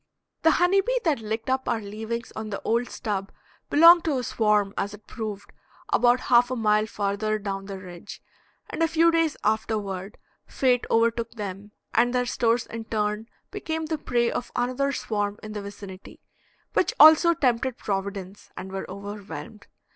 The honey bee that licked up our leavings on the old stub belonged to a swarm, as it proved, about half a mile farther down the ridge, and a few days afterward fate overtook them, and their stores in turn became the prey of another swarm in the vicinity, which also tempted Providence and were overwhelmed.